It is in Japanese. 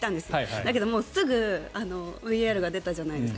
だけどすぐＶＡＲが出たじゃないですか。